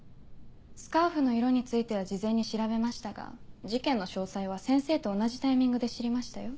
スカーフの色については事前に調べましたが事件の詳細は先生と同じタイミングで知りましたよ。